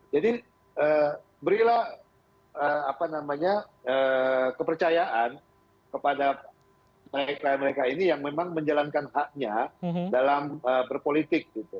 jadi berilah kepercayaan kepada mereka mereka ini yang memang menjalankan haknya dalam berpolitik gitu